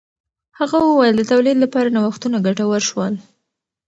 هغه وویل د تولید لپاره نوښتونه ګټور شول.